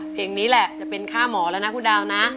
เพลงนี้แหละจะเป็นค่าหมอแล้วนะคุณดาวนะ